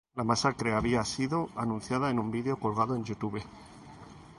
La masacre había sido anunciada en un vídeo colgado en YouTube.